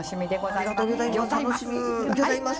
ありがとうぎょざいます。